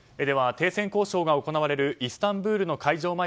停戦交渉が行われるイスタンブールの会場